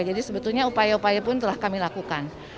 jadi sebetulnya upaya upaya pun telah kami lakukan